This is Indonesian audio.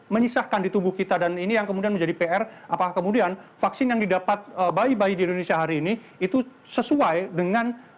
menyisahkan di tubuh kita dan ini yang kemudian menjadi pr apakah kemudian vaksin yang didapat bayi bayi di indonesia hari ini itu sesuai dengan